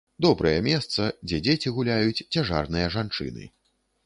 Добрае месца, дзе дзеці гуляюць, цяжарныя жанчыны.